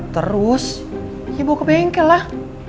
terus ya bawa ke bengkel lah